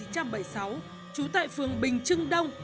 trú tại phường bình trưng đông